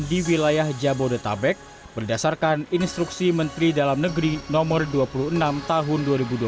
di wilayah jabodetabek berdasarkan instruksi menteri dalam negeri nomor dua puluh enam tahun dua ribu dua puluh